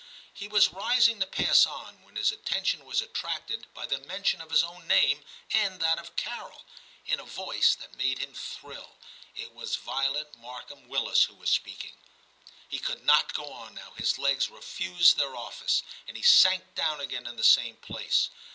He was rising to pass on, when his attention was attracted by the mention of his own name and that of Carol, in a voice that made him thrill ; it was Violet Markham Willis who was speak ing. He could not go on now ; his legs refused their office, and he sank down again in the same place.